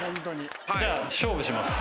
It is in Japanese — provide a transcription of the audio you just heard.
じゃあ勝負します。